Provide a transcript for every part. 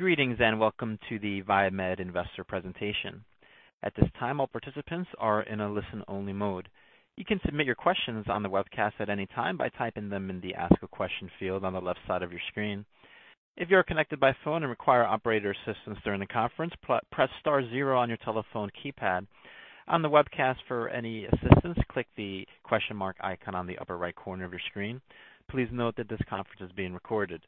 Greetings, and welcome to the VieMed Investor Presentation. At this time, all participants are in a listen-only mode. You can submit your questions on the webcast at any time by typing them in the Ask a Question field on the left side of your screen. If you are connected by phone and require operator assistance during the conference, press star zero on your telephone keypad. On the webcast, for any assistance, click the question mark icon on the upper right corner of your screen. Please note that this conference is being recorded.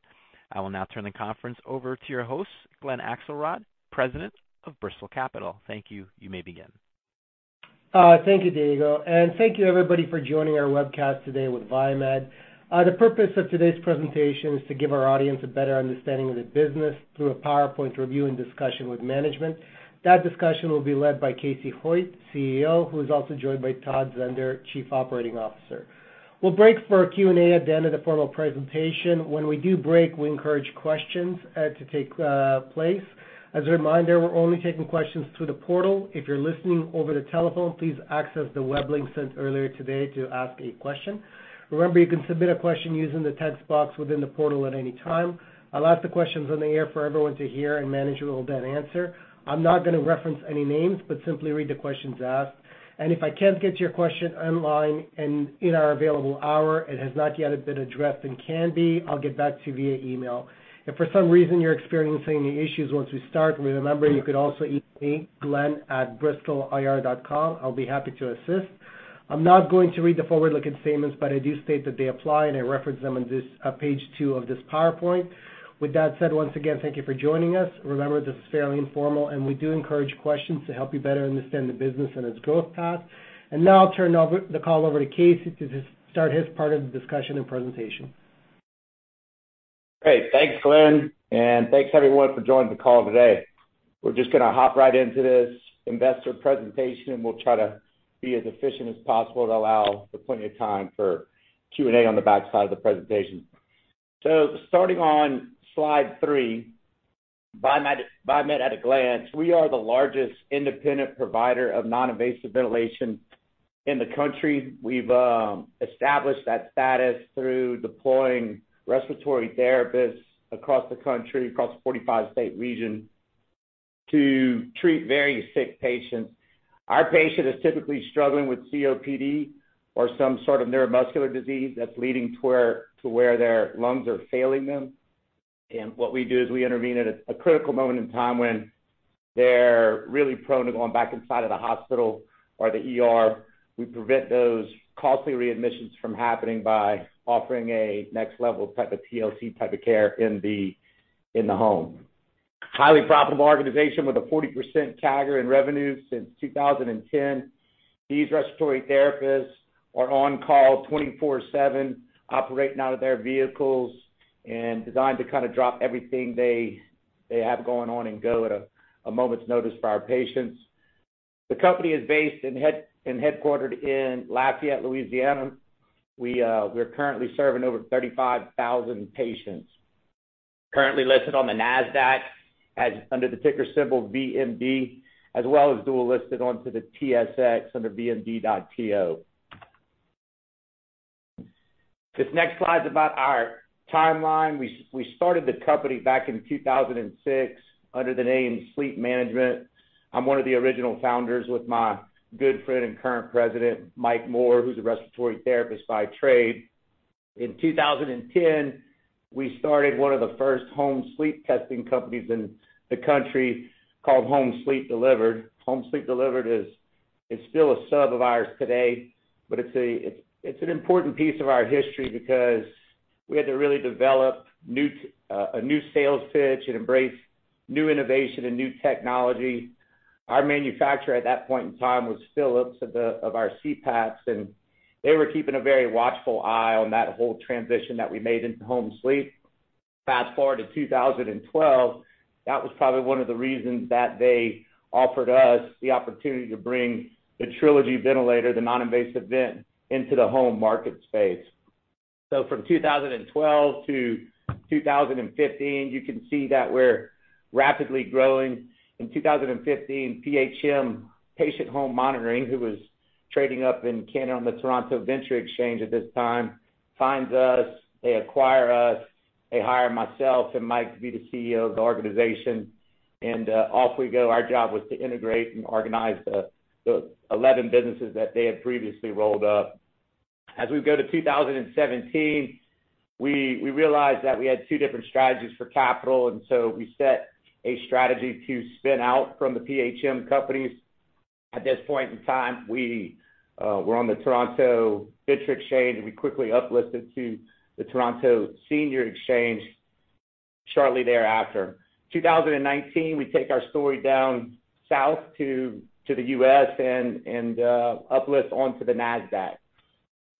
I will now turn the conference over to your host, Glen Akselrod, President of Bristol Capital. Thank you. You may begin. Thank you, Diego, and thank you everybody for joining our webcast today with VieMed. The purpose of today's presentation is to give our audience a better understanding of the business through a PowerPoint review and discussion with management. That discussion will be led by Casey Hoyt, CEO, who is also joined by Todd Zehnder, Chief Operating Officer. We will break for a Q&A at the end of the formal presentation. When we do break, we encourage questions to take place. As a reminder, we're only taking questions through the portal. If you're listening over the telephone, please access the web link sent earlier today to ask a question. Remember, you can submit a question using the text box within the portal at any time. I'll ask the questions on the air for everyone to hear, and management will then answer. I'm not gonna reference any names, but simply read the questions asked. If I can't get to your question online and in our available hour, it has not yet been addressed and can be, I'll get back to you via email. If for some reason you're experiencing any issues once we start, remember, you can also email me, glenn@bristolir.com. I will be happy to assist. I'm not going to read the forward-looking statements, but I do state that they apply, and I reference them on this, page two of this PowerPoint. With that said, once again, thank you for joining us. Remember, this is fairly informal, and we do encourage questions to help you better understand the business and its growth path. Now I'll turn the call over to Casey to just start his part of the discussion and presentation. Great. Thanks, Glenn, and thanks everyone for joining the call today. We're just gonna hop right into this investor presentation. We'll try to be as efficient as possible to allow for plenty of time for Q&A on the backside of the presentation. Starting on slide 3, VieMed at a glance. We are the largest independent provider of non-invasive ventilation in the country. We've established that status through deploying respiratory therapists across the country, across a 45-state region, to treat very sick patients. Our patient is typically struggling with COPD or some sort of neuromuscular disease that's leading to where their lungs are failing them. What we do is we intervene at a critical moment in time when they are really prone to going back inside of the hospital or the ER. We prevent those costly readmissions from happening by offering a next level type of TLC type of care in the home. Highly profitable organization with a 40% CAGR in revenue since 2010. These respiratory therapists are on call 24/7, operating out of their vehicles and designed to kind of drop everything they have going on and go at a moment's notice for our patients. The company is headquartered in Lafayette, Louisiana. We're currently serving over 35,000 patients. Currently listed on the NASDAQ under the ticker symbol VMD, as well as dual listed on the TSX under VMD.TO. This next slide's about our timeline. We started the company back in 2006 under the name Sleep Management. I'm one of the original founders with my good friend and current president, Mike Moore, who is a respiratory therapist by trade. In 2010, we started one of the first home sleep testing companies in the country called Home Sleep Delivered. Home Sleep Delivered is still a sub of ours today, but it's an important piece of our history because we had to really develop a new sales pitch and embrace new innovation and new technology. Our manufacturer at that point in time was Philips of our CPAPs, and they were keeping a very watchful eye on that whole transition that we made into home sleep. Fast-forward to 2012, that was probably one of the reasons that they offered us the opportunity to bring the Trilogy ventilator, the non-invasive vent, into the home market space. From 2012 to 2015, you can see that we are rapidly growing. In 2015, PHM, Patient Home Monitoring, who was trading up in Canada on the TSX Venture Exchange at this time, finds us, they acquire us, they hire myself and Mike to be the CEO of the organization, and off we go. Our job was to integrate and organize the 11 businesses that they had previously rolled up. As we go to 2017, we realized that we had two different strategies for capital, and so we set a strategy to spin out from the PHM companies. At this point in time, we're on the TSX Venture Exchange, and we quickly uplisted to the Toronto Stock Exchange shortly thereafter. 2019, we take our story down south to the U.S. and uplist onto the NASDAQ.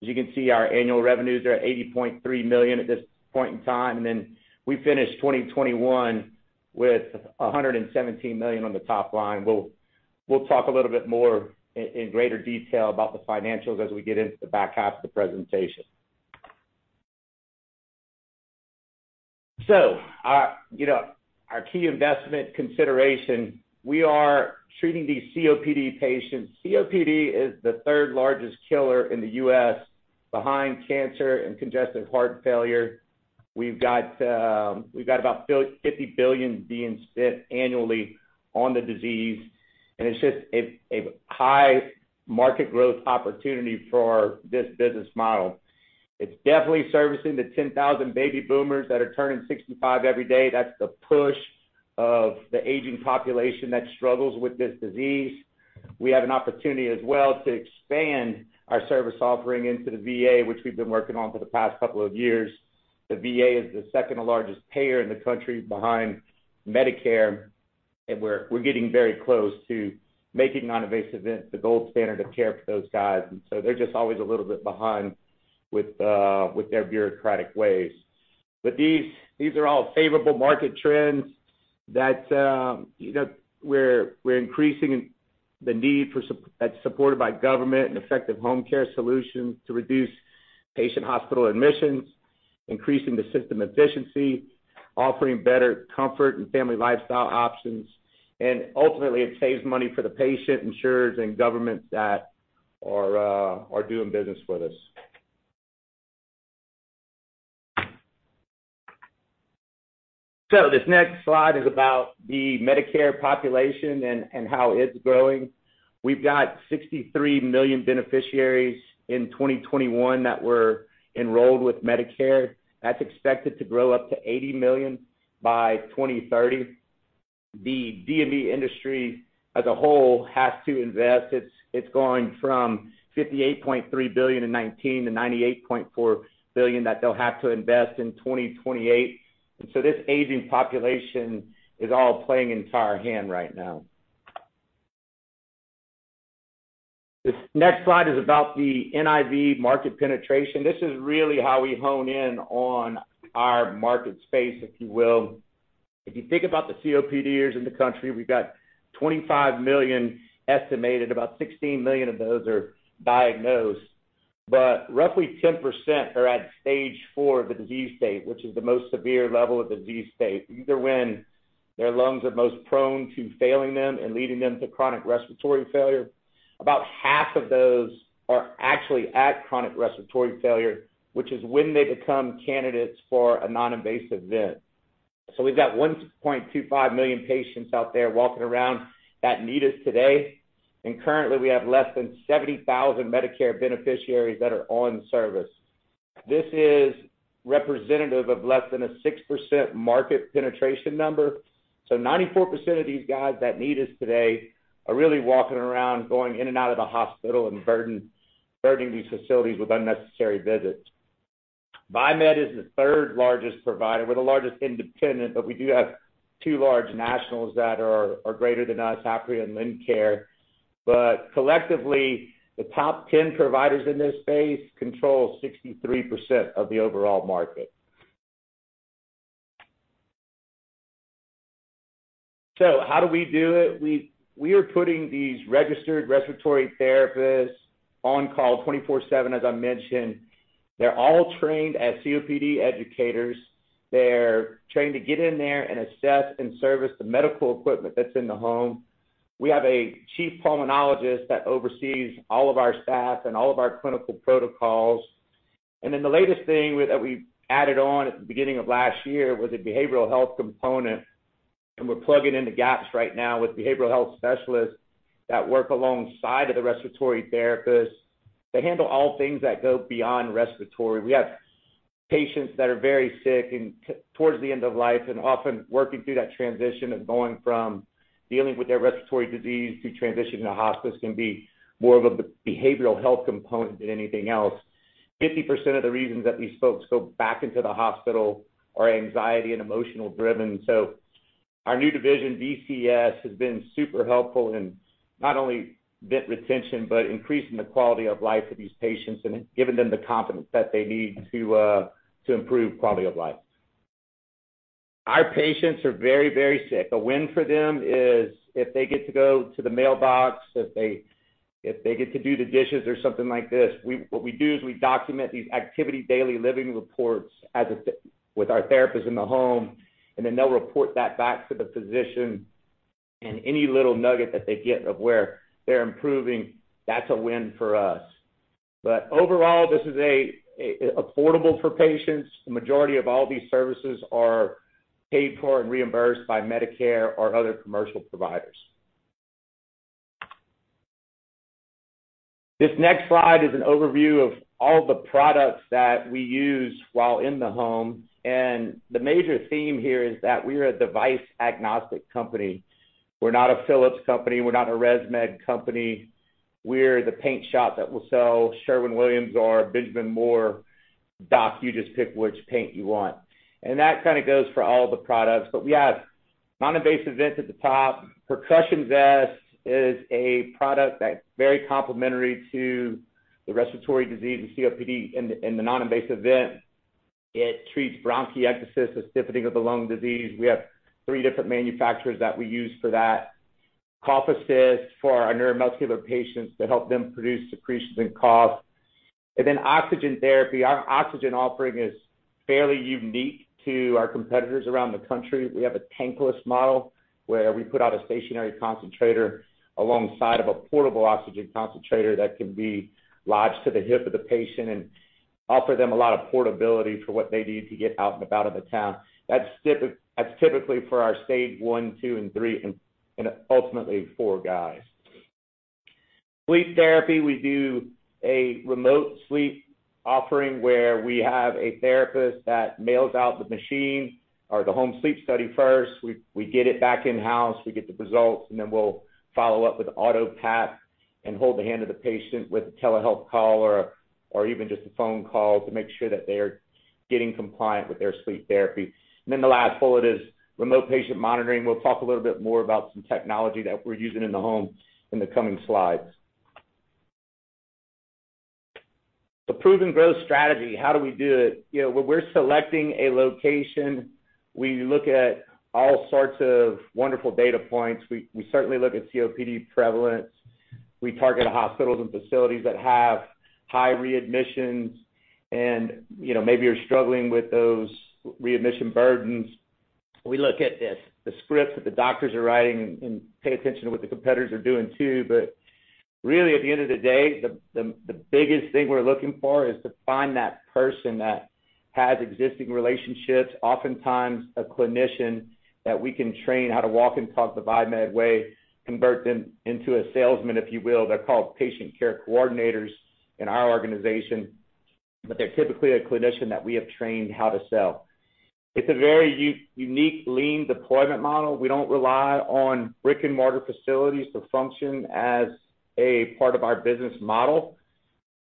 As you can see, our annual revenues are $80.3 million at this point in time, and then we finished 2021 with $117 million on the top line. We will talk a little bit more in greater detail about the financials as we get into the back half of the presentation. Our, you know, our key investment consideration, we are treating these COPD patients. COPD is the third largest killer in the U.S. behind cancer and congestive heart failure. We've got about $50 billion being spent annually on the disease, and it's just a high market growth opportunity for this business model. It's definitely servicing the 10,000 baby boomers that are turning 65 every day. That's the push of the aging population that struggles with this disease. We have an opportunity as well to expand our service offering into the VA, which we've been working on for the past couple of years. The VA is the second largest payer in the country behind Medicare, and we're getting very close to making non-invasive vent the gold standard of care for those guys. They're just always a little bit behind with their bureaucratic ways. These are all favorable market trends that you know we are increasing the need for that's supported by government and effective home care solutions to reduce patient hospital admissions, increasing the system efficiency, offering better comfort and family lifestyle options, and ultimately it saves money for the patient, insurers, and governments that are doing business with us. This next slide is about the Medicare population and how it's growing. We've got 63 million beneficiaries in 2021 that were enrolled with Medicare. That's expected to grow up to 80 million by 2030. The DME industry as a whole has to invest. It's going from $58.3 billion in 2019 to $98.4 billion that they will have to invest in 2028. This aging population is all playing into our hand right now. This next slide is about the NIV market penetration. This is really how we hone in on our market space, if you will. If you think about the COPDers in the country, we have got 25 million estimated. About 16 million of those are diagnosed, but roughly 10% are at stage 4 of the disease state, which is the most severe level of disease state, either when their lungs are most prone to failing them and leading them to chronic respiratory failure. About half of those are actually at chronic respiratory failure, which is when they become candidates for a non-invasive vent. So w have got 1.25 million patients out there walking around that need us today, and currently we have less than 70,000 Medicare beneficiaries that are on service. This is representative of less than a 6% market penetration number. Ninety-four percent of these guys that need us today are really walking around going in and out of the hospital and burdening these facilities with unnecessary visits. VieMed is the third largest provider. We are the largest independent, but we do have two large nationals that are greater than us, Apria and Lincare. Collectively, the top 10 providers in this space control 63% of the overall market. How do we do it? We are putting these registered respiratory therapists on call 24/7, as I mentioned. They are all trained as COPD educators. They are trained to get in there and assess and service the medical equipment that's in the home. We have a chief pulmonologist that oversees all of our staff and all of our clinical protocols. Then the latest thing that we added on at the beginning of last year was a behavioral health component, and we're plugging in the gaps right now with behavioral health specialists that work alongside of the respiratory therapists. They handle all things that go beyond respiratory. We have patients that are very sick and towards the end of life, and often working through that transition of going from dealing with their respiratory disease to transitioning to hospice can be more of a behavioral health component than anything else. 50% of the reasons that these folks go back into the hospital are anxiety and emotional driven. Our new division, VieMed Clinical Care, has been super helpful in not only vent retention, but increasing the quality of life for these patients and giving them the confidence that they need to improve quality of life. Our patients are very, very sick. A win for them is if they get to go to the mailbox, if they get to do the dishes or something like this. What we do is we document these activities of daily living reports as with our therapist in the home, and then they'll report that back to the physician. Any little nugget that they get of where they're improving, that's a win for us. Overall, this is affordable for patients. The majority of all these services are paid for and reimbursed by Medicare or other commercial providers. This next slide is an overview of all the products that we use while in the home, and the major theme here is that we're a device-agnostic company. We're not a Philips company. We are not a ResMed company. We're the paint shop that will sell Sherwin-Williams or Benjamin Moore. Doc, you just pick which paint you want. That kind of goes for all the products. We have non-invasive vents at the top. Percussion vest is a product that's very complementary to the respiratory disease and COPD in the non-invasive vent. It treats bronchiectasis, the stiffening of the lung disease. We have 3 different manufacturers that we use for that. CoughAssist for our neuromuscular patients to help them produce secretions and cough. Oxygen therapy. Our oxygen offering is fairly unique to our competitors around the country. We have a tankless model where we put out a stationary concentrator alongside of a portable oxygen concentrator that can be latched to the hip of the patient and offer them a lot of portability for what they need to get out and about in the town. That's typically for our stage 1, 2, and 3, and ultimately 4 guys. Sleep therapy, we do a remote sleep offering where we have a therapist that mails out the machine or the home sleep study first. We get it back in-house, we get the results, and then we'll follow up with AutoPAP and hold the hand of the patient with a telehealth call or even just a phone call to make sure that they are getting compliant with their sleep therapy. The last bullet is remote patient monitoring. We'll talk a little bit more about some technology that we're using in the home in the coming slides. The proven growth strategy, how do we do it? You know, when we're selecting a location, we look at all sorts of wonderful data points. We certainly look at COPD prevalence. We target hospitals and facilities that have high readmissions and, you know, maybe are struggling with those readmission burdens. We look at the scripts that the doctors are writing and pay attention to what the competitors are doing too, but really at the end of the day, the biggest thing we are looking for is to find that person that has existing relationships. Oftentimes a clinician that we can train how to walk and talk the VieMed way, convert them into a salesman, if you will. They are called patient care coordinators in our organization, but they're typically a clinician that we have trained how to sell. It's a very unique lean deployment model. We don't rely on brick-and-mortar facilities to function as a part of our business model.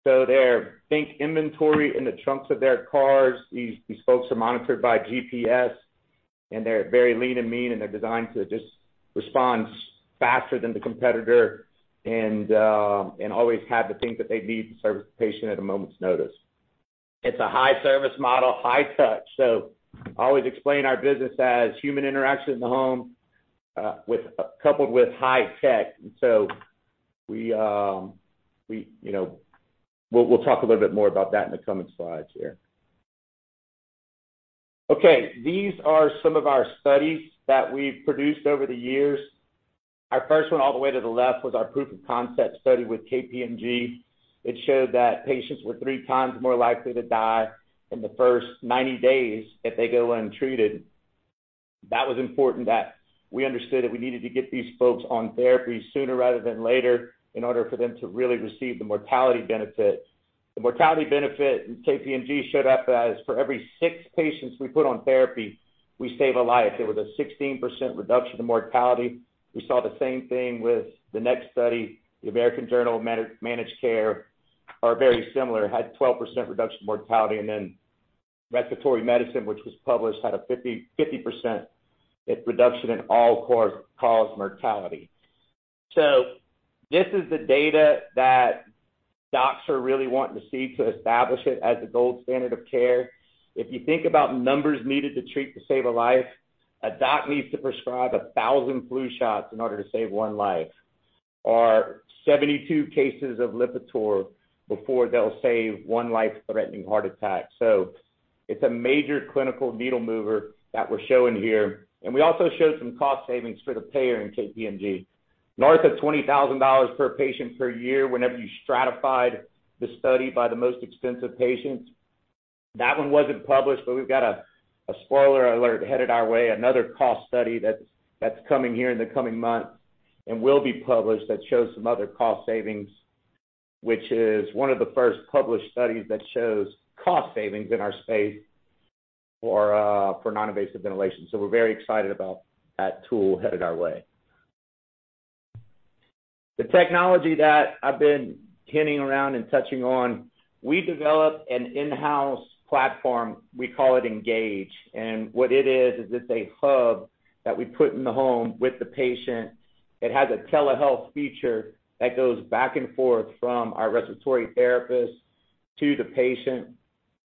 So they keep inventory in the trunks of their cars. These folks are monitored by GPS, and they are very lean and mean, and they're designed to just respond faster than the competitor and always have the things that they need to service the patient at a moment's notice. It's a high service model, high touch, so we always explain our business as human interaction in the home coupled with high tech. We'll talk a little bit more about that in the coming slides here. Okay. These are some of our studies that we've produced over the years. Our first one all the way to the left was our proof of concept study with KPMG. It showed that patients were three times more likely to die in the first 90 days if they go untreated. That was important that we understood that we needed to get these folks on therapy sooner rather than later in order for them to really receive the mortality benefit. The mortality benefit in KPMG showed up as for every 6 patients we put on therapy, we save a life. It was a 16% reduction in mortality. We saw the same thing with the next study. The American Journal of Managed Care are very similar, had 12% reduction in mortality, and then Respiratory Medicine, which was published, had a 50% reduction in all-cause mortality. This is the data that docs are really wanting to see to establish it as the gold standard of care. If you think about numbers needed to treat to save a life, a doc needs to prescribe 1,000 flu shots in order to save one life or 72 cases of Lipitor before they'll save one life-threatening heart attack. It's a major clinical needle mover that we're showing here. We also showed some cost savings for the payer in KPMG. North of $20,000 per patient per year whenever you stratified the study by the most expensive patients. That one wasn't published, but we've got a spoiler alert headed our way, another cost study that's coming here in the coming months and will be published that shows some other cost savings, which is one of the first published studies that shows cost savings in our space for non-invasive ventilation. We're very excited about that tool headed our way. The technology that I've been hinting around and touching on, we developed an in-house platform, we call it Engage. What it is it's a hub that we put in the home with the patient. It has a telehealth feature that goes back and forth from our respiratory therapist to the patient.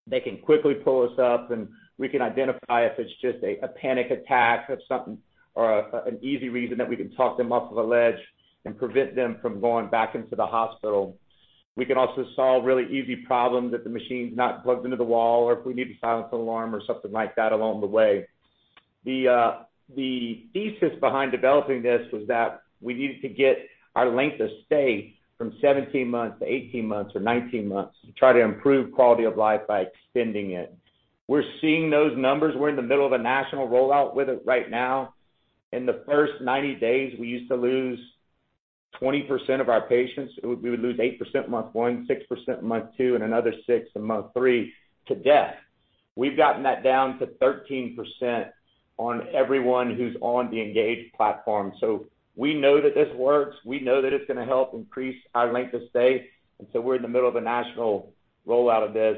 They can quickly pull us up, and we can identify if it's just a panic attack or something or an easy reason that we can talk them off of a ledge and prevent them from going back into the hospital. We can also solve really easy problems that the machine's not plugged into the wall or if we need to silence an alarm or something like that along the way. The thesis behind developing this was that we needed to get our length of stay from 17 months to 18 months or 19 months to try to improve quality of life by extending it. We're seeing those numbers. We're in the middle of a national rollout with it right now. In the first 90 days, we used to lose 20% of our patients. We would lose 8% month 1, 6% month 2, and another 6% in month 3 to death. We've gotten that down to 13% on everyone who's on the Engage platform. We know that this works. We know that it's gonna help increase our length of stay, and we're in the middle of a national rollout of this.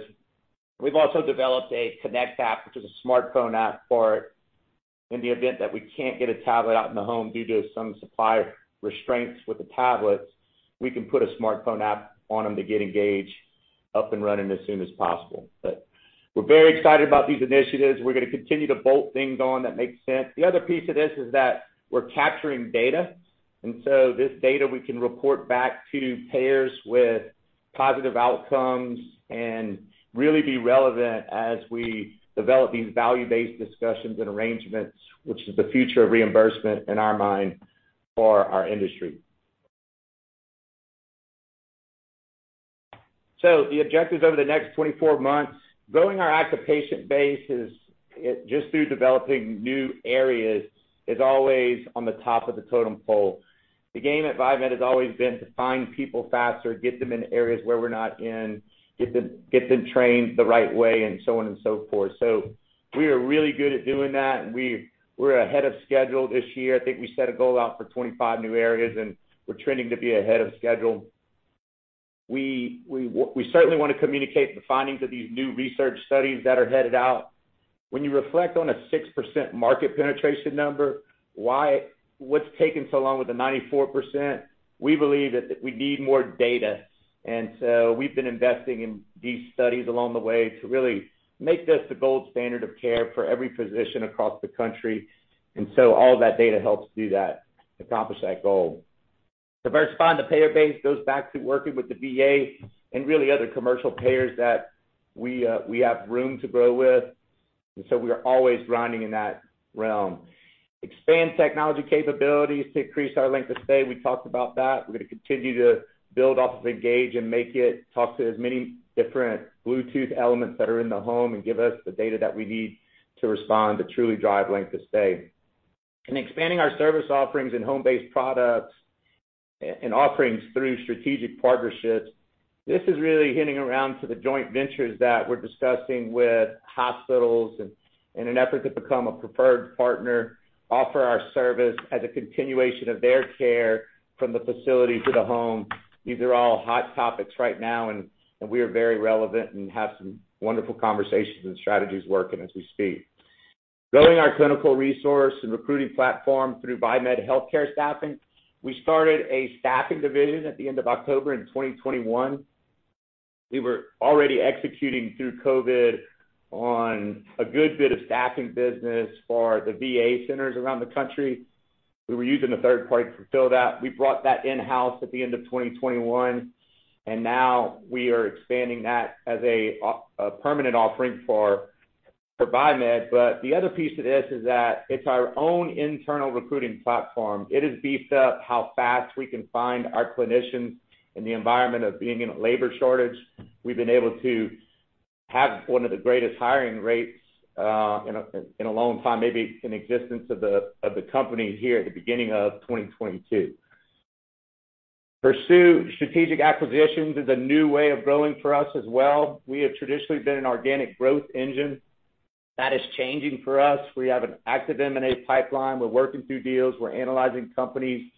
We've also developed a Connect app, which is a smartphone app for it. In the event that we can't get a tablet out in the home due to some supplier restraints with the tablets, we can put a smartphone app on them to get Engage up and running as soon as possible. We're very excited about these initiatives. We are gonna continue to bolt things on that make sense. The other piece of this is that we are capturing data. This data we can report back to payers with positive outcomes and really be relevant as we develop these value-based discussions and arrangements, which is the future of reimbursement in our mind for our industry. The objectives over the next 24 months, growing our active patient base is just through developing new areas is always on the top of the totem pole. The game at VieMed has always been to find people faster, get them in areas where we're not in, get them trained the right way, and so on and so forth. We are really good at doing that, and we're ahead of schedule this year. I think we set a goal out for 25 new areas, and we're trending to be ahead of schedule. We certainly wanna communicate the findings of these new research studies that are headed out. When you reflect on a 6% market penetration number, why what's taking so long with the 94%? We believe that we need more data. We have been investing in these studies along the way to really make this the gold standard of care for every physician across the country. All of that data helps do that, accomplish that goal. Diversifying the payer base goes back to working with the VA and really other commercial payers that we have room to grow with. We are always grinding in that realm. Expand technology capabilities to increase our length of stay. We talked about that. We're gonna continue to build off of Engage and make it talk to as many different Bluetooth elements that are in the home and give us the data that we need to respond to truly drive length of stay. In expanding our service offerings and home-based products and offerings through strategic partnerships, this is really hinting around to the joint ventures that we're discussing with hospitals in an effort to become a preferred partner, offer our service as a continuation of their care from the facility to the home. These are all hot topics right now, and we are very relevant and have some wonderful conversations and strategies working as we speak. Growing our clinical resource and recruiting platform through VieMed Healthcare Staffing, we started a staffing division at the end of October in 2021. We were already executing through COVID on a good bit of staffing business for the VA centers around the country. We were using a third party to fulfill that. We brought that in-house at the end of 2021, and now we are expanding that as a permanent offering for VieMed. The other piece of this is that it's our own internal recruiting platform. It has beefed up how fast we can find our clinicians in the environment of being in a labor shortage. We've been able to have one of the greatest hiring rates in a long time, maybe in existence of the company here at the beginning of 2022. Pursue strategic acquisitions is a new way of growing for us as well. We have traditionally been an organic growth engine. That is changing for us. We have an active M&A pipeline. We're working through deals. We're analyzing companies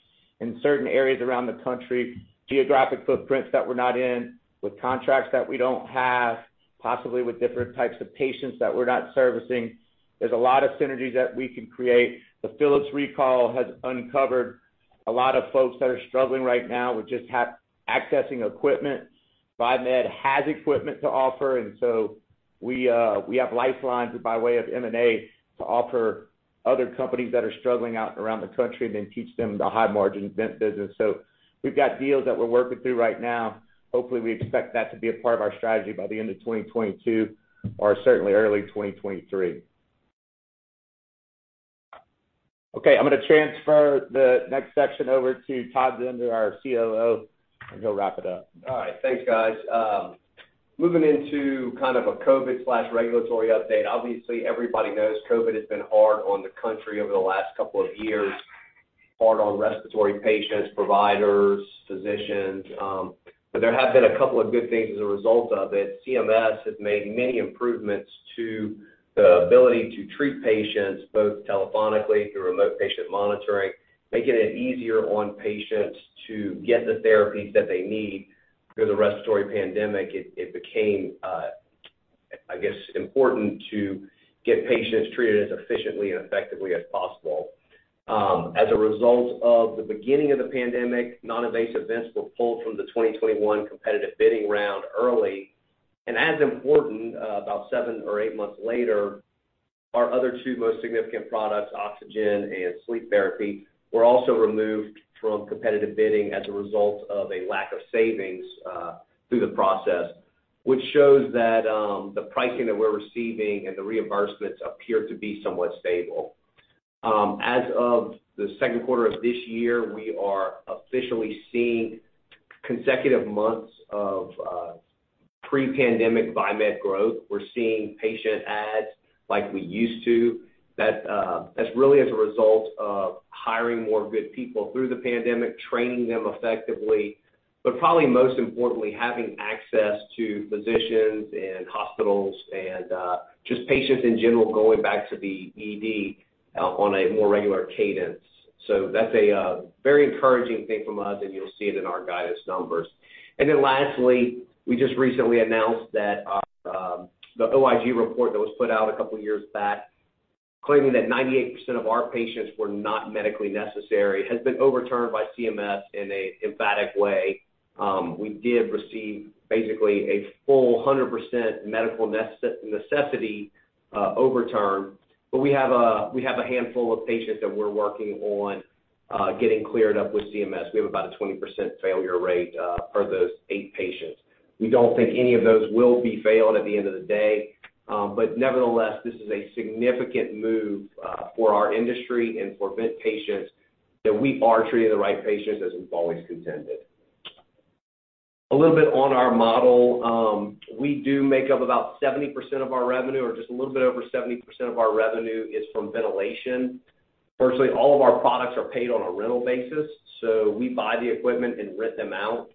in certain areas around the country, geographic footprints that we're not in, with contracts that we don't have, possibly with different types of patients that we're not servicing. There's a lot of synergies that we can create. The Philips recall has uncovered a lot of folks that are struggling right now with just accessing equipment. VieMed has equipment to offer, and so we have lifelines by way of M&A to offer other companies that are struggling out around the country, then teach them the high margin vent business. We have got deals that we're working through right now. Hopefully, we expect that to be a part of our strategy by the end of 2022 or certainly early 2023. Okay, I'm gonna transfer the next section over to Todd Zehnder, our COO, and he will wrap it up. All right. Thanks, guys. Moving into kind of a COVID/regulatory update. Obviously, everybody knows COVID has been hard on the country over the last couple of years, hard on respiratory patients, providers, physicians, but there have been a couple of good things as a result of it. CMS has made many improvements to the ability to treat patients both telephonically through remote patient monitoring, making it easier on patients to get the therapies that they need. Through the respiratory pandemic, it became, I guess, important to get patients treated as efficiently and effectively as possible. As a result of the beginning of the pandemic, non-invasive vents were pulled from the 2021 competitive bidding round early. As important, about 7 or 8 months later, our other two most significant products, oxygen and sleep therapy, were also removed from competitive bidding as a result of a lack of savings through the process, which shows that the pricing that we're receiving and the reimbursements appear to be somewhat stable. As of the second quarter of this year, we are officially seeing consecutive months of pre-pandemic VieMed growth. We are seeing patient adds like we used to. That's really as a result of hiring more good people through the pandemic, training them effectively, but probably most importantly, having access to physicians and hospitals and just patients in general going back to the ED on a more regular cadence. That's a very encouraging thing from us, and you'll see it in our guidance numbers. We just recently announced that our the OIG report that was put out a couple years back claiming that 98% of our patients were not medically necessary has been overturned by CMS in an emphatic way. We did receive basically a full 100% medical necessity overturn, but we have a handful of patients that we're working on getting cleared up with CMS. We have about a 20% failure rate for those 8 patients. We don't think any of those will be failed at the end of the day. But nevertheless, this is a significant move for our industry and for vent patients, that we are treating the right patients as we've always contended. A little bit on our model. We do make up about 70% of our revenue or just a little bit over 70% of our revenue is from ventilation. Firstly, all of our products are paid on a rental basis, so we buy the equipment and rent them out.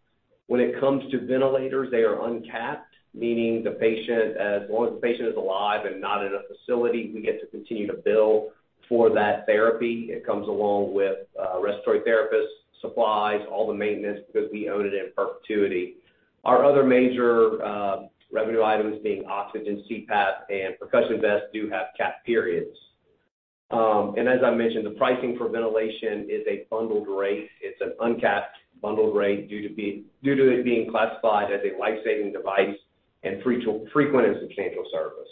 When it comes to ventilators, they are uncapped, meaning the patient, as long as the patient is alive and not in a facility, we get to continue to bill for that therapy. It comes along with respiratory therapists, supplies, all the maintenance because we own it in perpetuity. Our other major revenue items being oxygen, CPAP, and percussion vests do have capped periods. As I mentioned, the pricing for ventilation is a bundled rate. It's an uncapped bundled rate due to it being classified as a life-saving device and frequent and substantial service.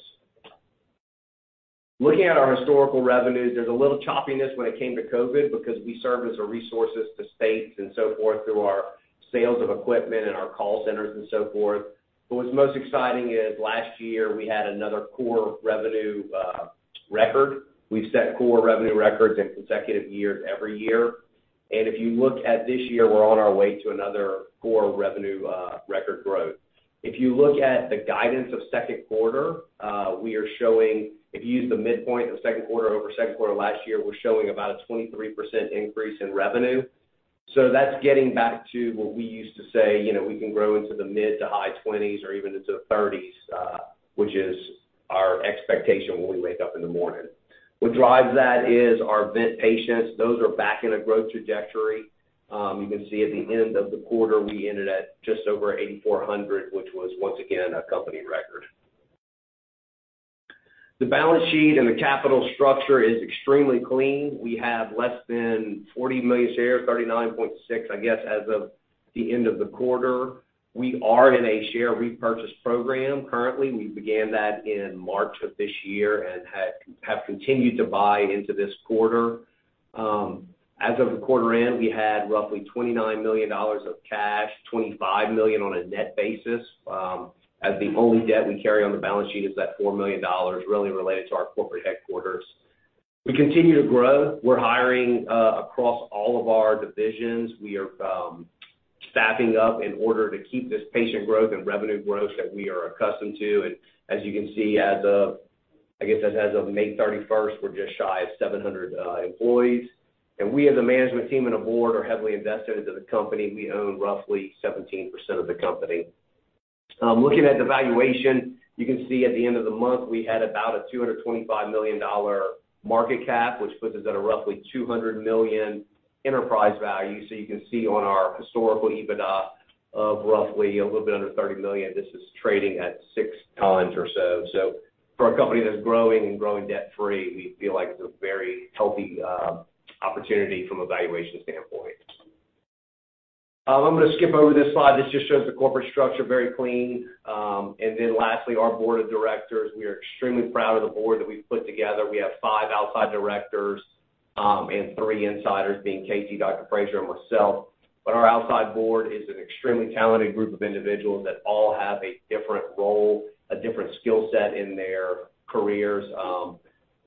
Looking at our historical revenues, there is a little choppiness when it came to COVID because we shifted our resources to states and so forth through our sales of equipment and our call centers and so forth. What's most exciting is last year we had another core revenue record. We've set core revenue records in consecutive years every year. If you look at this year, we're on our way to another core revenue record growth. If you look at the guidance of second quarter, if you use the midpoint of second quarter over second quarter last year, we're showing about a 23% increase in revenue. That's getting back to what we used to say, you know, we can grow into the mid- to high-20s or even into the 30s, which is our expectation when we wake up in the morning. What drives that is our vent patients. Those are back in a growth trajectory. You can see at the end of the quarter, we ended at just over 8,400, which was once again a company record. The balance sheet and the capital structure is extremely clean. We have less than 40 million shares, 39.6, I guess as of the end of the quarter. We are in a share repurchase program currently. We began that in March of this year and have continued to buy into this quarter. As of the quarter end, we had roughly $29 million of cash, $25 million on a net basis, as the only debt we carry on the balance sheet is that $4 million really related to our corporate headquarters. We continue to grow. We're hiring across all of our divisions. We are staffing up in order to keep this patient growth and revenue growth that we are accustomed to. As you can see, as of May 31st, we are just shy of 700 employees. We as a management team and a board are heavily invested into the company. We own roughly 17% of the company. Looking at the valuation, you can see at the end of the month we had about a $225 million market cap, which puts us at a roughly $200 million enterprise value. You can see on our historical EBITDA of roughly a little bit under $30 million, this is trading at 6x or so. For a company that's growing and growing debt-free, we feel like it's a very healthy opportunity from a valuation standpoint. I'm gonna skip over this slide. This just shows the corporate structure, very clean. Lastly, our board of directors. We are extremely proud of the board that we've put together. We have five outside directors and three insiders being Casey, Dr. Fraser, and myself. Our outside board is an extremely talented group of individuals that all have a different role, a different skill set in their careers.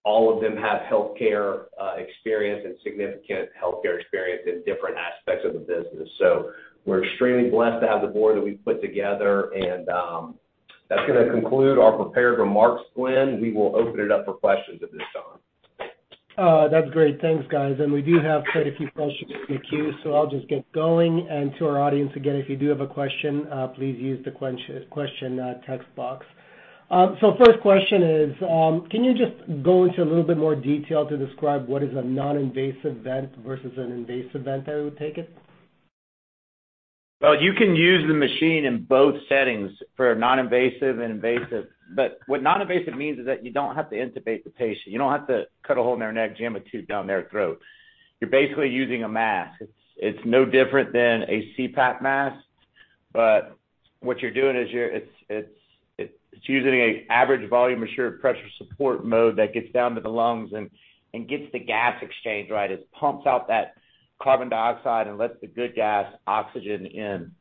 All of them have healthcare experience and significant healthcare experience in different aspects of the business. So we are extremely blessed to have the board that we've put together. That's gonna conclude our prepared remarks, Glen. We will open it up for questions at this time. Oh, that's great. Thanks, guys. We do have quite a few questions in the queue, so I'll just get going. To our audience, again, if you do have a question, please use the question text box. First question is, can you just go into a little bit more detail to describe what is a non-invasive vent versus an invasive vent, I would take it? Well, you can use the machine in both settings for non-invasive and invasive. What non-invasive means is that you don't have to intubate the patient. You don't have to cut a hole in their neck, jam a tube down their throat. You're basically using a mask. It's no different than a CPAP mask. What you're doing is it's using a average volume assured pressure support mode that gets down to the lungs and gets the gas exchange right. It pumps out that carbon dioxide and lets the good gas, oxygen in.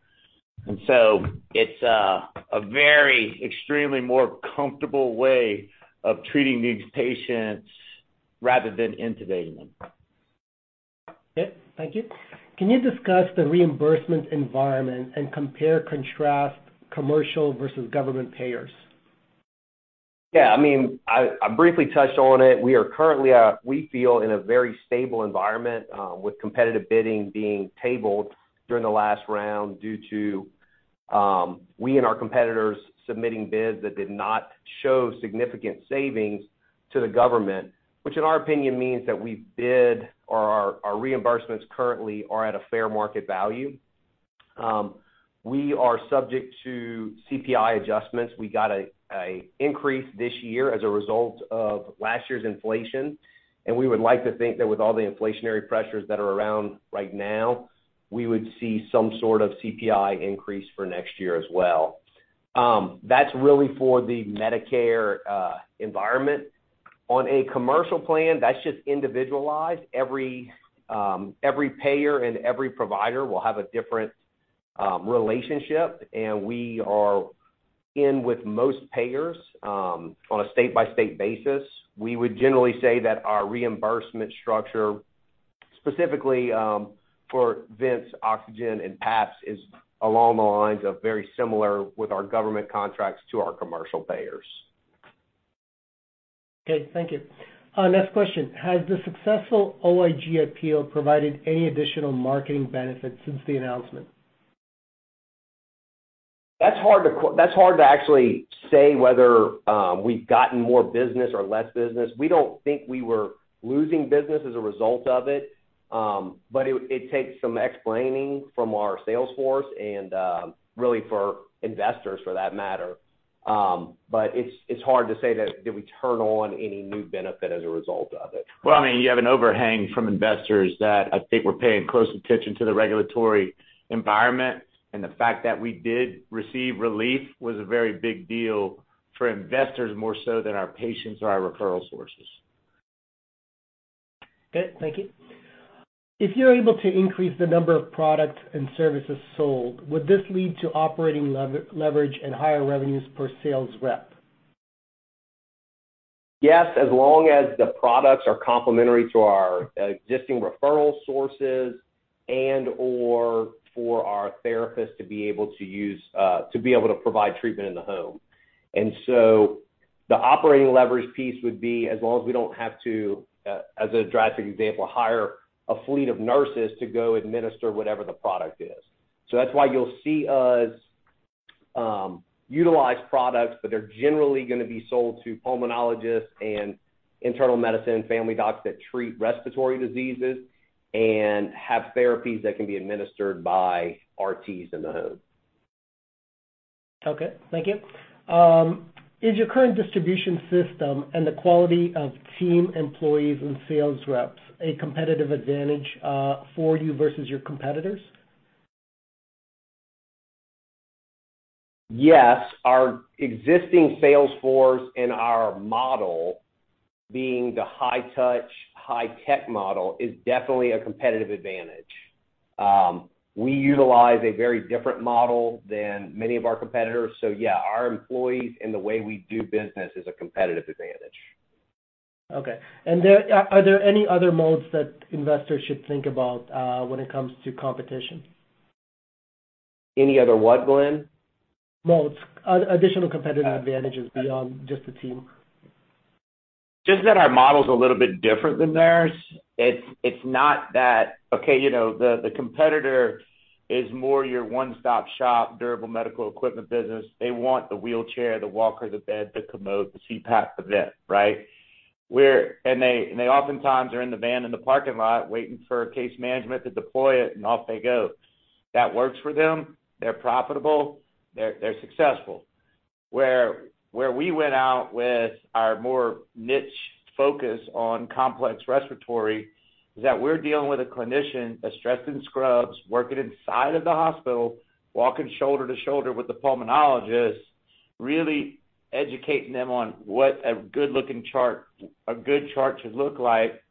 It's a very extremely more comfortable way of treating these patients rather than intubating them. Yeah. Thank you. Can you discuss the reimbursement environment and compare, contrast commercial versus government payers? Yeah, I mean, I briefly touched on it. We are currently, we feel in a very stable environment, with competitive bidding being tabled during the last round due to we and our competitors submitting bids that did not show significant savings to the government, which in our opinion means that we bid or our reimbursements currently are at a fair market value. We are subject to CPI adjustments. We got a increase this year as a result of last year's inflation, and we would like to think that with all the inflationary pressures that are around right now, we would see some sort of CPI increase for next year as well. That's really for the Medicare environment. On a commercial plan, that's just individualized. Every payer and every provider will have a different relationship, and we are in with most payers on a state-by-state basis. We would generally say that our reimbursement structure, specifically, for vents, oxygen, and PAPs, is along the lines of very similar with our government contracts to our commercial payers. Okay, thank you. Next question: Has the successful OIG appeal provided any additional marketing benefits since the announcement? That's hard to actually say whether we have gotten more business or less business. We don't think we were losing business as a result of it, but it takes some explaining from our sales force and really for investors for that matter. It's hard to say that we turn on any new benefit as a result of it. Well, I mean, you have an overhang from investors that I think were paying close attention to the regulatory environment, and the fact that we did receive relief was a very big deal for investors, more so than our patients or our referral sources. Okay, thank you. If you are able to increase the number of products and services sold, would this lead to operating leverage and higher revenues per sales rep? Yes, as long as the products are complementary to our existing referral sources and/or for our therapists to be able to use to be able to provide treatment in the home. The operating leverage piece would be as long as we don't have to, as a drastic example, hire a fleet of nurses to go administer whatever the product is. That's why you'll see us utilize products, but they are generally gonna be sold to pulmonologists and internal medicine family docs that treat respiratory diseases and have therapies that can be administered by RTs in the home. Okay, thank you. Is your current distribution system and the quality of team employees and sales reps a competitive advantage for you versus your competitors? Yes. Our existing sales force and our model being the high-touch, high-tech model is definitely a competitive advantage. We utilize a very different model than many of our competitors. Yeah, our employees and the way we do business is a competitive advantage. Are there any other modes that investors should think about when it comes to competition? Any other what, Glen? Modes. Other additional competitive advantages beyond just the team. Just that our model is a little bit different than theirs. It's not that. Okay, you know, the competitor is more your one-stop-shop durable medical equipment business. They want the wheelchair, the walker, the bed, the commode, the CPAP, the vent, right? They oftentimes are in the van in the parking lot waiting for case management to deploy it, and off they go. That works for them. They're profitable, they're successful. Where we went out with our more niche focus on complex respiratory is that we're dealing with a clinician that's dressed in scrubs, working inside of the hospital, walking shoulder to shoulder with the pulmonologist, really educating them on what a good-looking chart a good chart should look like,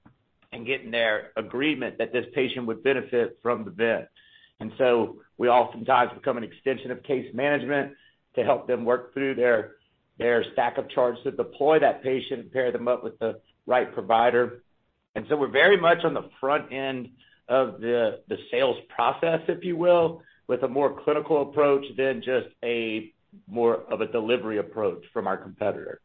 and getting their agreement that this patient would benefit from the vent. We oftentimes become an extension of case management to help them work through their stack of charts to deploy that patient and pair them up with the right provider. We're very much on the front end of the sales process, if you will, with a more clinical approach than just more of a delivery approach from our competitor.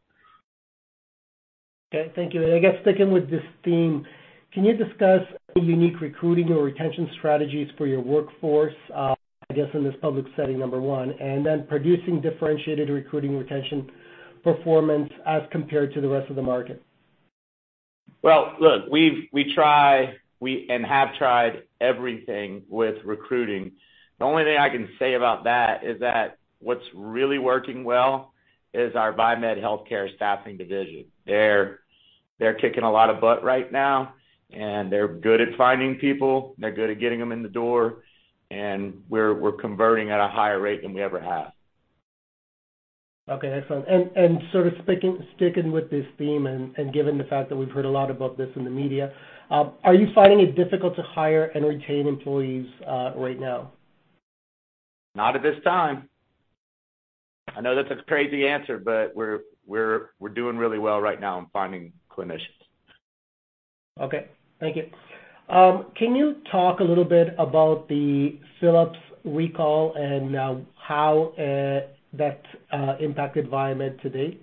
Okay, thank you. I guess sticking with this theme, can you discuss the unique recruiting or retention strategies for your workforce, I guess in this public setting, number 1, and then producing differentiated recruiting retention performance as compared to the rest of the market? Well, look, we try and have tried everything with recruiting. The only thing I can say about that is that what's really working well is our VieMed Healthcare Staffing division. They're kicking a lot of butt right now, and they're good at finding people, they're good at getting them in the door, and we're converting at a higher rate than we ever have. Okay, excellent. Sort of sticking with this theme and given the fact that we've heard a lot about this in the media, are you finding it difficult to hire and retain employees right now? Not at this time. I know that's a crazy answer, but we're doing really well right now in finding clinicians. Okay, thank you. Can you talk a little bit about the Philips recall and how that impacted VieMed today?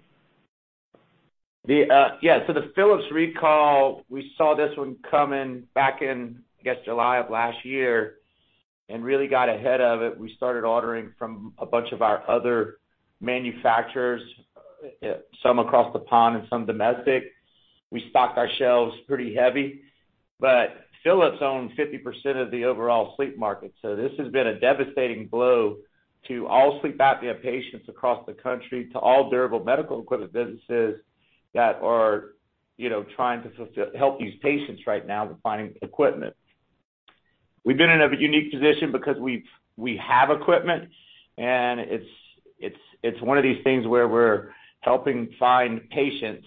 Yeah. The Philips recall, we saw this one coming back in, I guess, July of last year and really got ahead of it. We started ordering from a bunch of our other manufacturers, some across the pond and some domestic. We stock our shelves pretty heavy, but Philips own 50% of the overall sleep market, so this has been a devastating blow to all sleep apnea patients across the country, to all durable medical equipment businesses that are, you know, trying to help these patients right now with finding equipment. We've been in a unique position because we have equipment, and it's one of these things where we're helping patients find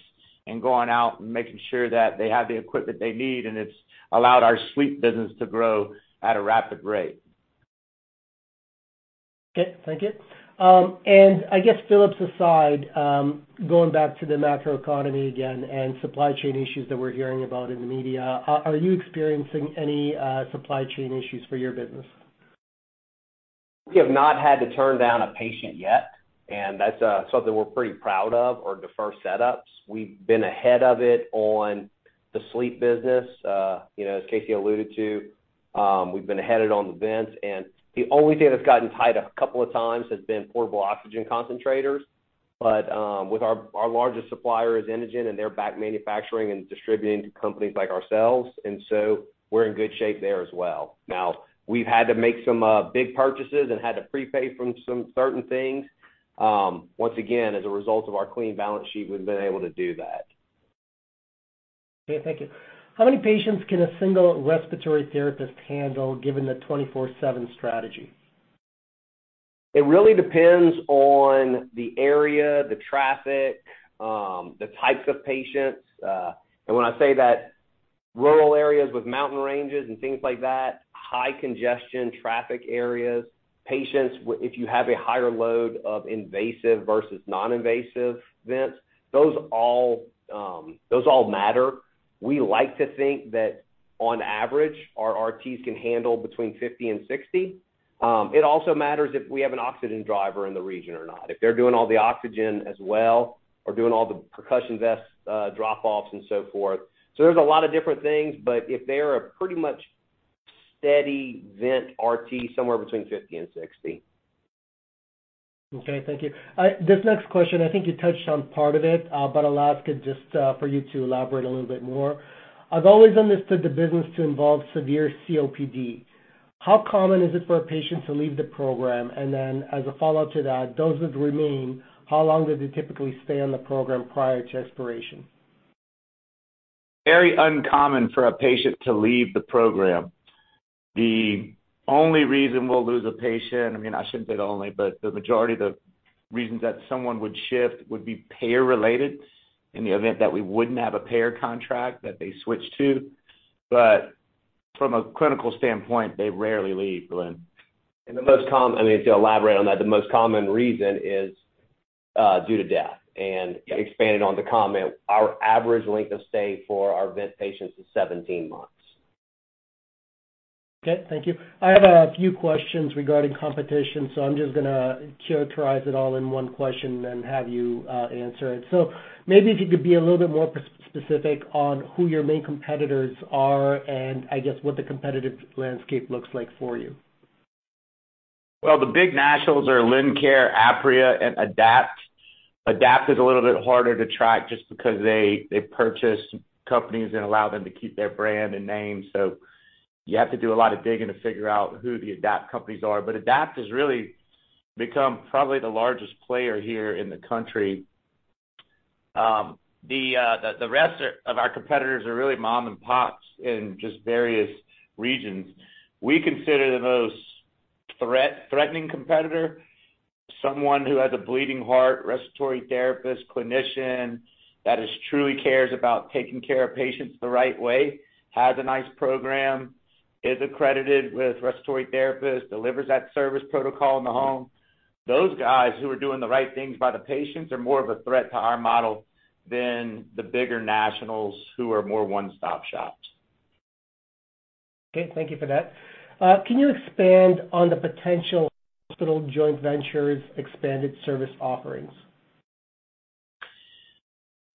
and going out and making sure that they have the equipment they need, and it's allowed our sleep business to grow at a rapid rate. Okay, thank you. I guess Philips aside, going back to the macroeconomy again and supply chain issues that we're hearing about in the media, are you experiencing any supply chain issues for your business? We have not had to turn down a patient yet, and that's something we are pretty proud of or defer setups. We've been ahead of it on the sleep business. You know, as Casey alluded to, we've been ahead of it on the vents. The only thing that's gotten tight a couple of times has been portable oxygen concentrators. With our largest supplier is Inogen, and they are back manufacturing and distributing to companies like ourselves, and so we are in good shape there as well. Now, we've had to make some big purchases and had to prepay from some certain things. Once again, as a result of our clean balance sheet, we have been able to do that. Okay, thank you. How many patients can a single respiratory therapist handle given the 24/7 strategy? It really depends on the area, the traffic, the types of patients. When I say that rural areas with mountain ranges and things like that, high congestion, traffic areas, patients, if you have a higher load of invasive versus non-invasive vents, those all matter. We like to think that on average, our RTs can handle between 50 and 60. It also matters if we have an oxygen driver in the region or not. If they are doing all the oxygen as well or doing all the percussion vest drop-offs and so forth. There's a lot of different things, but if they're a pretty much steady vent RT, somewhere between 50 and 60. Okay, thank you. This next question, I think you touched on part of it, but I'll ask it just for you to elaborate a little bit more. I have always understood the business to involve severe COPD. How common is it for a patient to leave the program? And then as a follow-up to that, those that remain, how long do they typically stay on the program prior to expiration? Very uncommon for a patient to leave the program. The only reason we'll lose a patient, I mean, I shouldn't say the only, but the majority of the reasons that someone would shift would be payer-related in the event that we wouldn't have a payer contract that they switch to. From a clinical standpoint, they rarely leave, Lynn. I mean, to elaborate on that, the most common reason is due to death. Expanding on the comment, our average length of stay for our vent patients is 17 months. Okay, thank you. I have a few questions regarding competition, so I'm just gonna characterize it all in one question and have you, answer it. Maybe if you could be a little bit more specific on who your main competitors are and I guess what the competitive landscape looks like for you. Well, the big nationals are Lincare, Apria, and AdaptHealth. AdaptHealth is a little bit harder to track just because they purchase companies and allow them to keep their brand and name. You have to do a lot of digging to figure out who the AdaptHealth companies are. AdaptHealth has really become probably the largest player here in the country. The rest of our competitors are really mom and pops in just various regions. We consider the most threatening competitor, someone who has a bleeding heart, respiratory therapist, clinician that truly cares about taking care of patients the right way, has a nice program, is accredited with respiratory therapists, delivers that service protocol in the home. Those guys who are doing the right things by the patients are more of a threat to our model than the bigger nationals who are more one-stop shops. Okay, thank you for that. Can you expand on the potential hospital joint ventures expanded service offerings?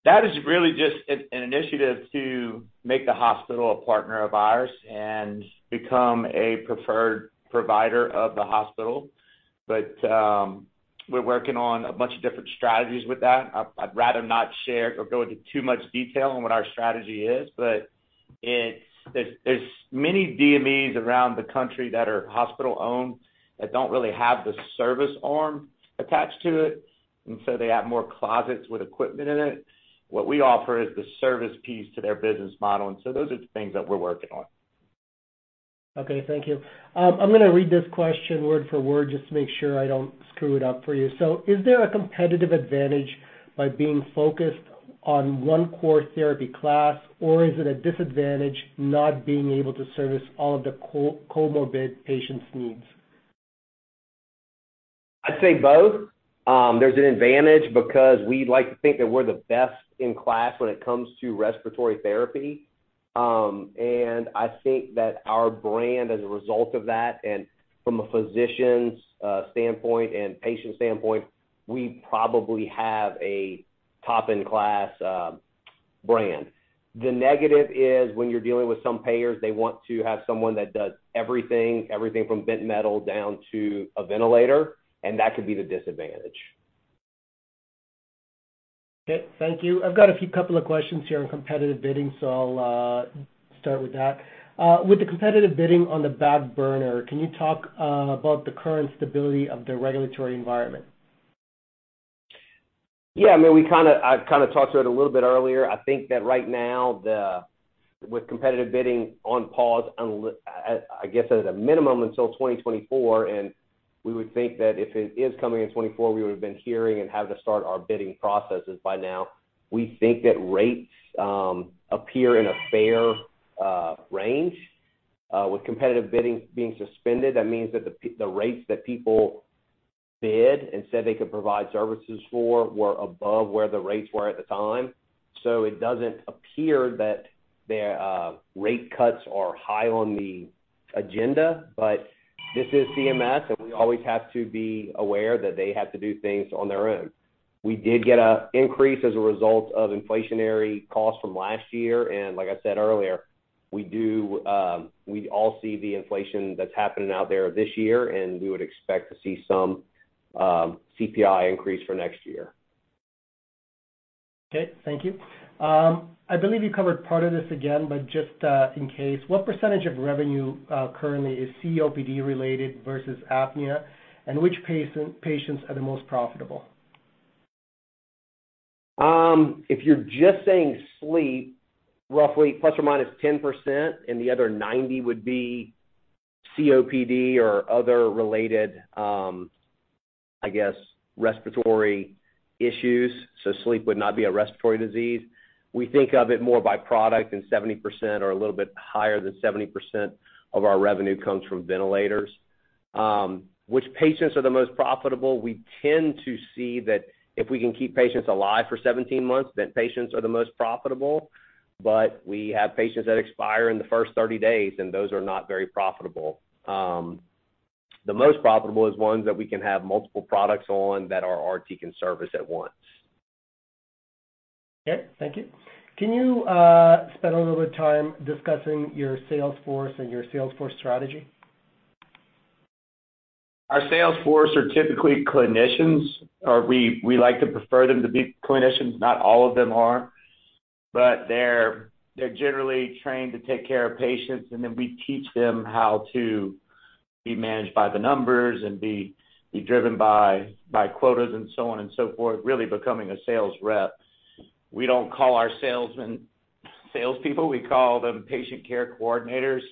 That is really just an initiative to make the hospital a partner of ours and become a preferred provider of the hospital. We're working on a bunch of different strategies with that. I'd rather not share or go into too much detail on what our strategy is. There is many DMEs around the country that are hospital-owned that don't really have the service arm attached to it, and so they have more closets with equipment in it. What we offer is the service piece to their business model, and so those are the things that we're working on. Okay, thank you. I'm gonna read this question word for word just to make sure I don't screw it up for you. Is there a competitive advantage by being focused on one core therapy class, or is it a disadvantage not being able to service all of the comorbid patients' needs? I'd say both. There's an advantage because we like to think that we are the best-in-class when it comes to respiratory therapy. I think that our brand as a result of that and from a physician's standpoint and patient standpoint, we probably have a top-in-class brand. The negative is when you are dealing with some payers, they want to have someone that does everything from bent metal down to a ventilator, and that could be the disadvantage. Okay, thank you. I have got a few couple of questions here on competitive bidding. I'll start with that. With the competitive bidding on the back burner, can you talk about the current stability of the regulatory environment? Yeah, I mean, I kind of talked to it a little bit earlier. I think that right now, with competitive bidding on pause, I guess as a minimum until 2024, and we would think that if it is coming in 2024, we would have been hearing and had to start our bidding processes by now. We think that rates appear in a fair range with competitive bidding being suspended. That means that the rates that people bid and said they could provide services for were above where the rates were at the time. It doesn't appear that the rate cuts are high on the agenda. But this is CMS, and we always have to be aware that they have to do things on their own. We did get an increase as a result of inflationary costs from last year. Like I said earlier, we do. We all see the inflation that's happening out there this year, and we would expect to see some CPI increase for next year. Okay. Thank you. I believe you covered part of this again, but just in case, what percentage of revenue currently is COPD related versus apnea, and which patients are the most profitable? If you're just saying sleep, roughly ±10% and the other 90% would be COPD or other related, I guess respiratory issues. Sleep would not be a respiratory disease. We think of it more by product, and 70% or a little bit higher than 70% of our revenue comes from ventilators. Which patients are the most profitable? We tend to see that if we can keep patients alive for 17 months, vent patients are the most profitable. We have patients that expire in the first 30 days, and those are not very profitable. The most profitable is ones that we can have multiple products on that our RT can service at once. Okay. Thank you. Can you spend a little bit of time discussing your sales force and your sales force strategy? Our sales force are typically clinicians, or we like to prefer them to be clinicians. Not all of them are. They're generally trained to take care of patients, and then we teach them how to be managed by the numbers and be driven by quotas and so on and so forth, really becoming a sales rep. We don't call our salesmen salespeople. We call them patient care coordinators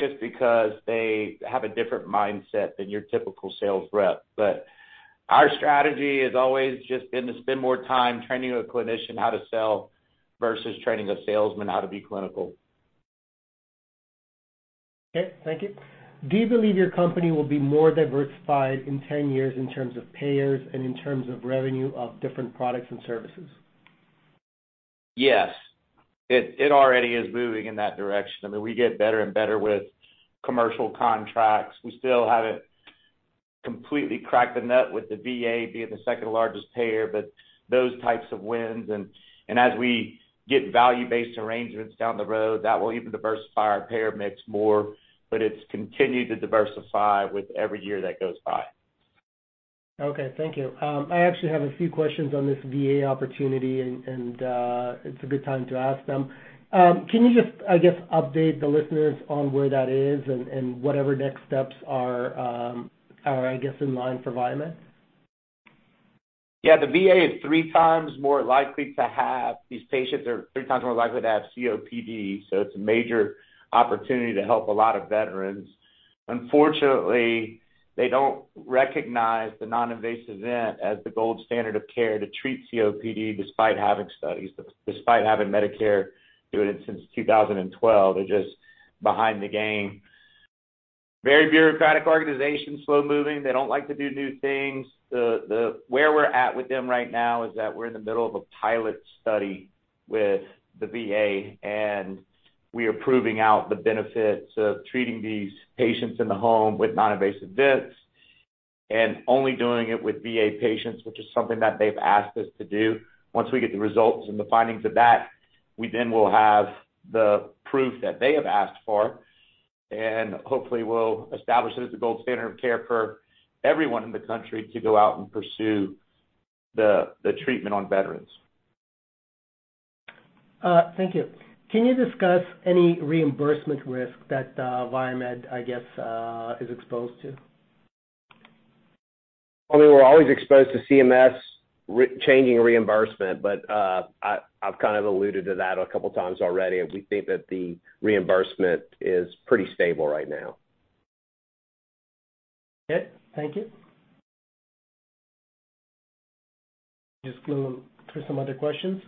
just because they have a different mindset than your typical sales rep. Our strategy has always just been to spend more time training a clinician how to sell versus training a salesman how to be clinical. Okay, thank you. Do you believe your company will be more diversified in 10 years in terms of payers and in terms of revenue of different products and services? Yes. It already is moving in that direction. I mean, we get better and better with commercial contracts. We still haven't completely cracked the nut with the VA being the second-largest payer, but those types of wins. As we get value-based arrangements down the road, that will even diversify our payer mix more. It's continued to diversify with every year that goes by. Okay, thank you. I actually have a few questions on this VA opportunity and it's a good time to ask them. Can you just, I guess, update the listeners on where that is and whatever next steps are, I guess, in line for VieMed? Yeah, the VA is three times more likely to have. These patients are three times more likely to have COPD, so it's a major opportunity to help a lot of veterans. Unfortunately, they don't recognize the non-invasive vent as the gold standard of care to treat COPD despite having studies, despite having Medicare doing it since 2012. They're just behind the game. Very bureaucratic organization, slow-moving. They don't like to do new things. Where we're at with them right now is that we're in the middle of a pilot study with the VA, and we are proving out the benefits of treating these patients in the home with non-invasive vents and only doing it with VA patients, which is something that they've asked us to do. Once we get the results and the findings of that, we then will have the proof that they have asked for, and hopefully we'll establish it as the gold standard of care for everyone in the country to go out and pursue the treatment on veterans. Thank you. Can you discuss any reimbursement risk that VieMed, I guess, is exposed to? I mean, we're always exposed to CMS changing reimbursement, but I've kind of alluded to that a couple of times already. We think that the reimbursement is pretty stable right now. Okay. Thank you. Just going through some other questions.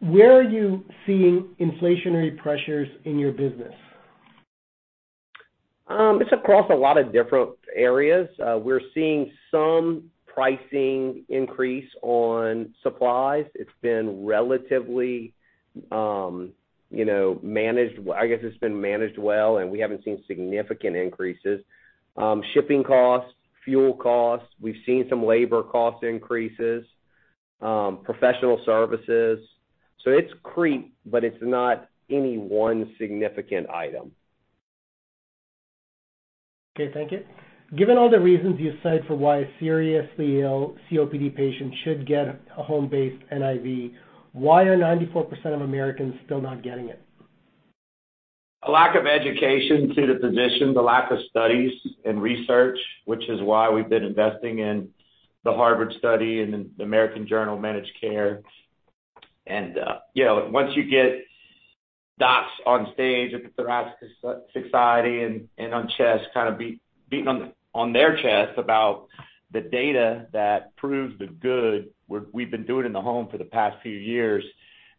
Where are you seeing inflationary pressures in your business? It's across a lot of different areas. We are seeing some pricing increase on supplies. It's been relatively, you know, managed, I guess it's been managed well, and we haven't seen significant increases. Shipping costs, fuel costs. We've seen some labor cost increases, professional services. It's creep, but it's not any one significant item. Okay. Thank you. Given all the reasons you cite for why a seriously ill COPD patient should get a home-based NIV, why are 94% of Americans still not getting it? A lack of education to the physician, the lack of studies and research, which is why we've been investing in the Harvard Study and the American Journal of Managed Care. You know, once you get docs on stage at the American Thoracic Society and on chest, kinda beating on their chest about the data that proves the good we've been doing in the home for the past few years,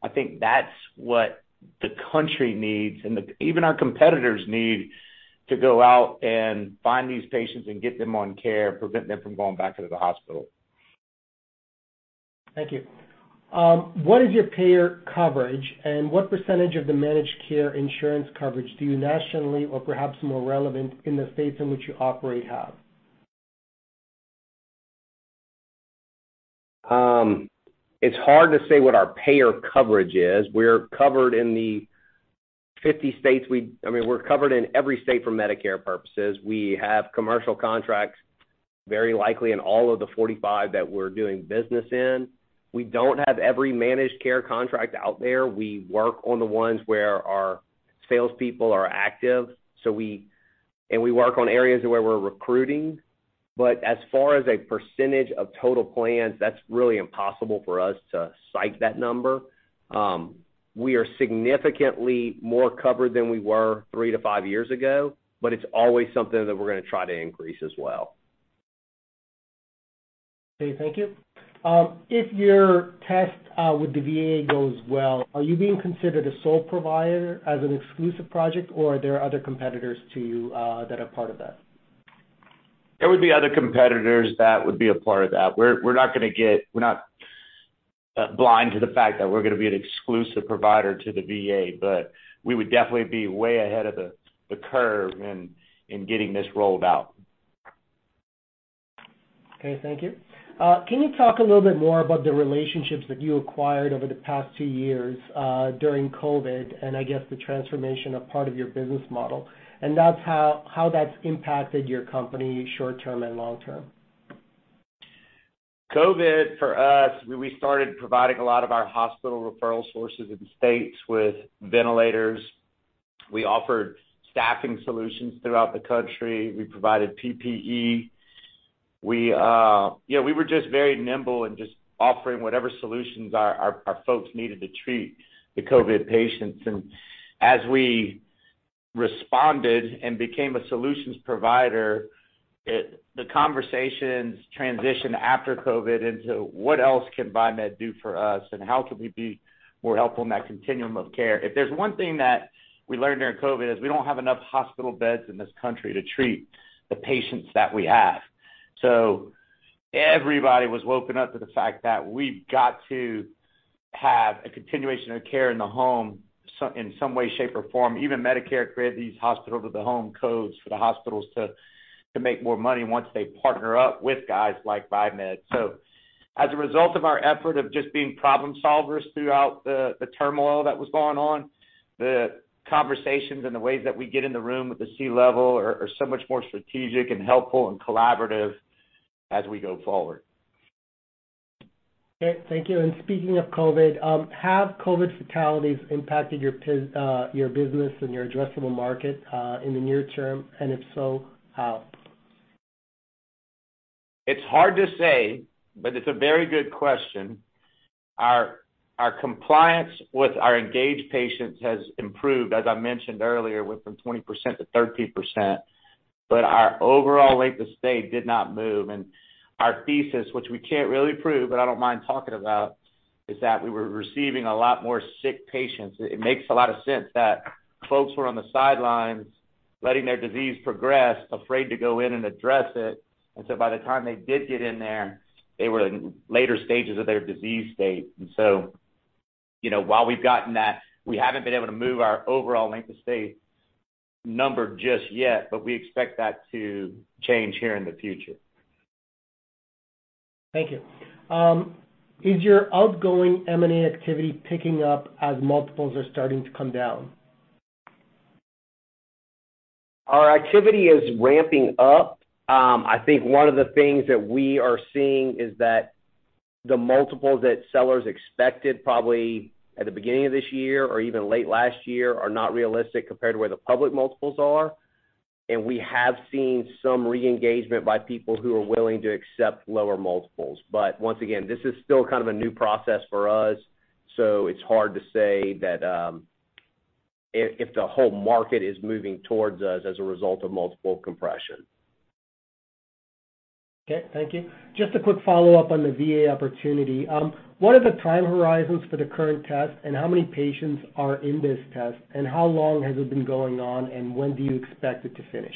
I think that's what the country needs. Even our competitors need to go out and find these patients and get them on care, prevent them from going back into the hospital. Thank you. What is your payer coverage and what percentage of the managed care insurance coverage do you nationally or perhaps more relevant in the states in which you operate have? It's hard to say what our payer coverage is. We're covered in every state for Medicare purposes. We have commercial contracts very likely in all of the 45 that we're doing business in. We don't have every managed care contract out there. We work on the ones where our salespeople are active, and we work on areas where we're recruiting. As far as a percentage of total plans, that's really impossible for us to cite that number. We are significantly more covered than we were 3-5 years ago, but it's always something that we're gonna try to increase as well. Okay, thank you. If your test with the VA goes well, are you being considered a sole provider as an exclusive provider, or are there other competitors to you that are part of that? There would be other competitors that would be a part of that. We're not blind to the fact that we're gonna be an exclusive provider to the VA, but we would definitely be way ahead of the curve in getting this rolled out. Okay, thank you. Can you talk a little bit more about the relationships that you acquired over the past two years during COVID and I guess the transformation of part of your business model? That's how that's impacted your company short term and long term. COVID for us, we started providing a lot of our hospital referral sources in the states with ventilators. We offered staffing solutions throughout the country. We provided PPE. We, you know, we were just very nimble in just offering whatever solutions our folks needed to treat the COVID patients. As we responded and became a solutions provider, the conversations transitioned after COVID into what else can VieMed do for us, and how can we be more helpful in that continuum of care? If there's one thing that we learned during COVID, is we don't have enough hospital beds in this country to treat the patients that we have. Everybody was woken up to the fact that we've got to have a continuation of care in the home in some way, shape, or form. Even Medicare created these hospital-to-the-home codes for the hospitals to make more money once they partner up with guys like VieMed. As a result of our effort of just being problem solvers throughout the turmoil that was going on, the conversations and the ways that we get in the room with the C-level are so much more strategic and helpful and collaborative as we go forward. Okay, thank you. Speaking of COVID, have COVID fatalities impacted your business and your addressable market in the near term, and if so, how? It's hard to say, but it's a very good question. Our compliance with our engaged patients has improved, as I mentioned earlier, went from 20% to 30%, but our overall length of stay did not move. Our thesis, which we can't really prove, but I don't mind talking about, is that we were receiving a lot more sick patients. It makes a lot of sense that folks were on the sidelines letting their disease progress, afraid to go in and address it. By the time they did get in there, they were in later stages of their disease state. You know, while we've gotten that, we haven't been able to move our overall length of stay number just yet, but we expect that to change here in the future. Thank you. Is your outgoing M&A activity picking up as multiples are starting to come down? Our activity is ramping up. I think one of the things that we are seeing is that the multiples that sellers expected probably at the beginning of this year or even late last year are not realistic compared to where the public multiples are. We have seen some re-engagement by people who are willing to accept lower multiples. Once again, this is still kind of a new process for us, so it's hard to say that, if the whole market is moving towards us as a result of multiple compression. Okay, thank you. Just a quick follow-up on the VA opportunity. What are the time horizons for the current test, and how many patients are in this test, and how long has it been going on, and when do you expect it to finish?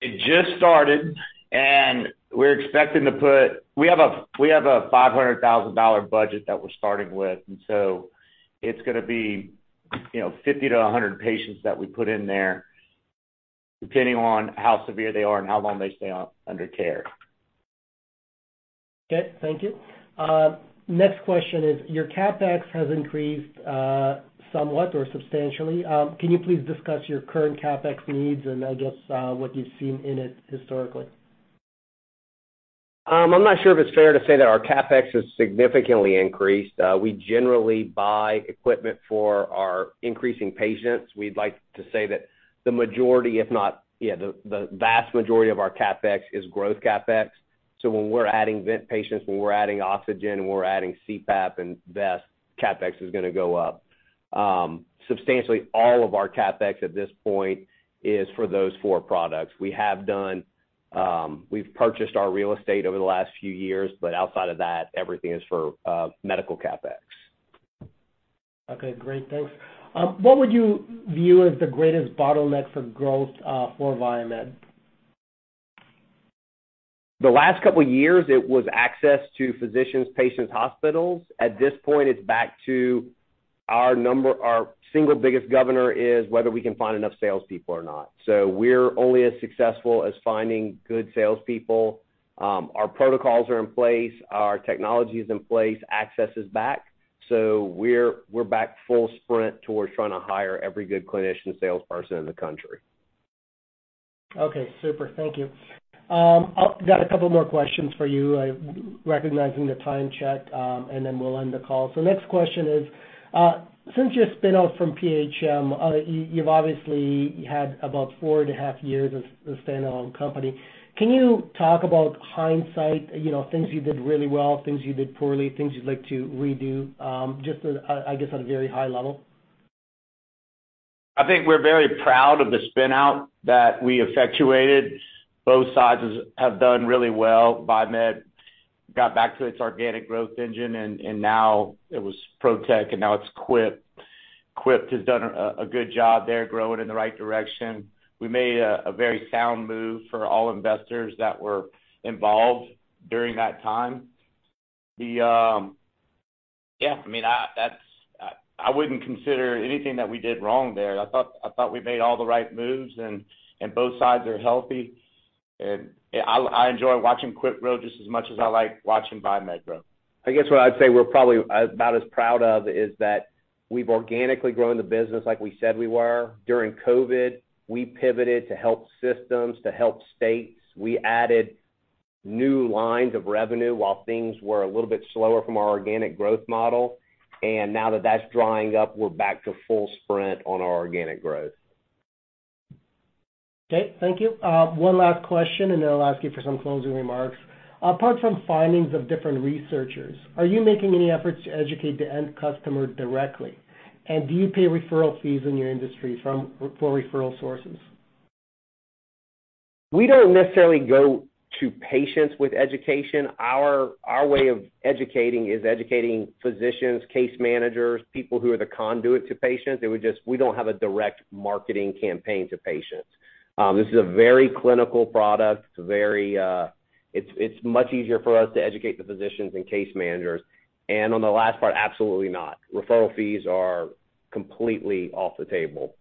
It just started. We have a $500,000 budget that we are starting with, and so it's gonna be, you know, 50-100 patients that we put in there, depending on how severe they are and how long they stay under care. Okay, thank you. Next question is, your CapEx has increased, somewhat or substantially. Can you please discuss your current CapEx needs and I guess, what you've seen in it historically? I'm not sure if it's fair to say that our CapEx has significantly increased. We generally buy equipment for our increasing patients. We'd like to say that the vast majority of our CapEx is growth CapEx. When we're adding vent patients, when we're adding oxygen, when we're adding CPAP and vests, CapEx is gonna go up. Substantially all of our CapEx at this point is for those four products. We have purchased our real estate over the last few years, but outside of that, everything is for medical CapEx. Okay, great. Thanks. What would you view as the greatest bottleneck for growth, for VieMed? The last couple years it was access to physicians, patients, hospitals. At this point, it's back to our single biggest governor is whether we can find enough salespeople or not. We're only as successful as finding good salespeople. Our protocols are in place. Our technology is in place. Access is back. We're back full sprint towards trying to hire every good clinician salesperson in the country. Okay, super. Thank you. I've got a couple more questions for you. I'm recognizing the time constraints, and then we'll end the call. Next question is, since you're a spin-out from PHM, you have obviously had about four and a half years as a standalone company. Can you talk about hindsight, you know, things you did really well, things you did poorly, things you'd like to redo, just, I guess, at a very high level? I think we are very proud of the spin-out that we effectuated. Both sides have done really well. VieMed got back to its organic growth engine, and now it was Protech and now it's Quipt. Quipt has done a good job. They're growing in the right direction. We made a very sound move for all investors that were involved during that time. Yeah, I mean, that's. I wouldn't consider anything that we did wrong there. I thought we made all the right moves and both sides are healthy. I enjoy watching Quipt grow just as much as I like watching VieMed grow. I guess what I'd say we're probably about as proud of is that we've organically grown the business like we said we were. During COVID, we pivoted to help systems, to help states. We added new lines of revenue while things were a little bit slower from our organic growth model. Now that that's drying up, we're back to full sprint on our organic growth. Okay, thank you. One last question, and then I'll ask you for some closing remarks. Apart from findings of different researchers, are you making any efforts to educate the end customer directly? And do you pay referral fees in your industry for referral sources? We don't necessarily go to patients with education. Our way of educating is educating physicians, case managers, people who are the conduit to patients. We don't have a direct marketing campaign to patients. This is a very clinical product. It's much easier for us to educate the physicians and case managers. On the last part, absolutely not. Referral fees are completely off the table.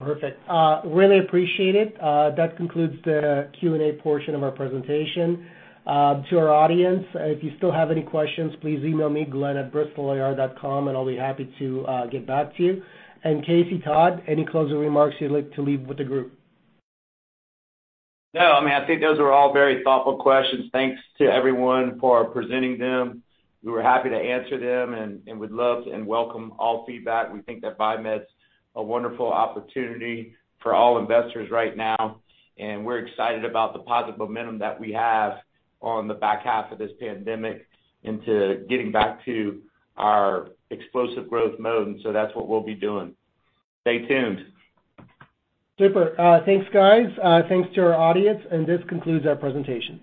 Perfect. Really appreciate it. That concludes the Q&A portion of our presentation. To our audience, if you still have any questions, please email me, Glen@bristolir.com, and I'll be happy to get back to you. Casey, Todd, any closing remarks you'd like to leave with the group? No. I mean, I think those were all very thoughtful questions. Thanks to everyone for presenting them. We were happy to answer them and would love and welcome all feedback. We think that VieMed's a wonderful opportunity for all investors right now, and we're excited about the positive momentum that we have on the back half of this pandemic into getting back to our explosive growth mode, and so that's what we will be doing. Stay tuned. Super. Thanks, guys. Thanks to our audience, and this concludes our presentation.